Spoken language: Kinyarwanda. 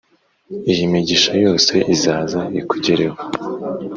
iyi migisha yose izaza ikugereho:+